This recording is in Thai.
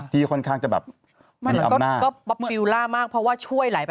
ตอนแรกก็ช่วย